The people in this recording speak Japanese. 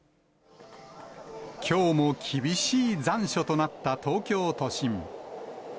きょうも厳しい残暑となった東京都心。